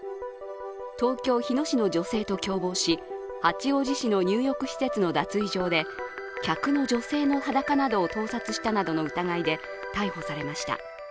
東京・日野市の女性と共謀し、八王子市の入浴施設の脱衣所で客の女性の裸などを盗撮したなどの疑いで逮捕されました。